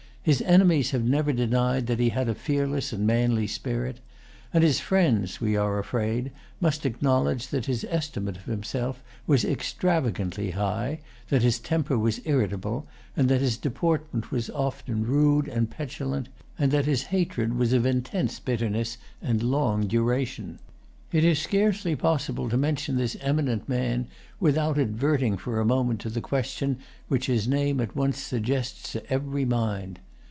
His enemies have never denied that he had a fearless and manly spirit; and his friends, we are afraid, must acknowledge that his estimate of himself was extravagantly high, that his temper was irritable, that his deportment was often rude and petulant, and that his hatred was of intense bitterness and long duration. It is scarcely possible to mention this eminent man without adverting for a moment to the question which his name at once suggests to every mind.